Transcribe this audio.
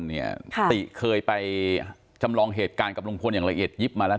ติเคยไปจำลองเหตุการณ์กับลุงพลอย่างละเอียดยิบมาแล้ว